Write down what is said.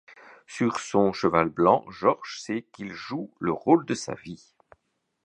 Sur son cheval blanc, Georges sait qu’il joue le rôle de sa vie.